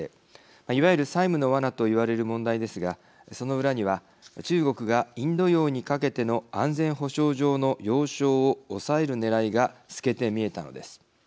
いわゆる債務のワナと言われる問題ですがその裏には中国がインド洋にかけての安全保障上の要衝を押さえるねらいが透けて見えたのです。